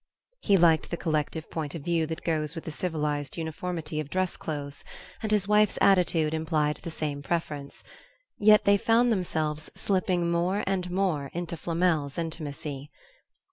He liked the collective point of view that goes with the civilized uniformity of dress clothes, and his wife's attitude implied the same preference; yet they found themselves slipping more and more into Flamel's intimacy.